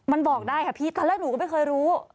มันบอกได้ค่ะพี่ตอนแรกหนูก็ไม่เคยรู้